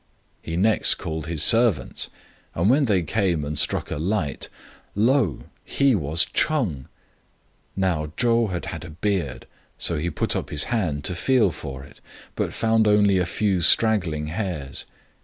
He next called his servants, and when they came and struck a light, lo ! he was Ch'eng. Now Chou had had a beard, so he put up his hand to feel for it, but found only a few straggling hairs.